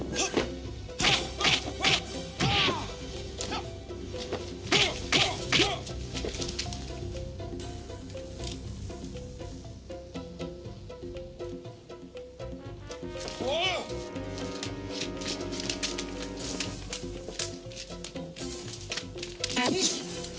yang kej favourit